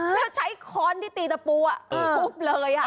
แล้วใช้คอร์นที่ตีตะปูอ่ะทุบเลยอ่ะ